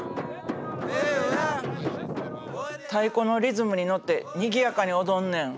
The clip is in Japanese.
太鼓のリズムに乗ってにぎやかに踊んねん。